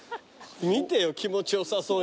見てよ気持ち良さそうに。